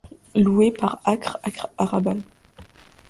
Loué par acre arable.